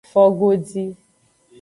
Fogodi.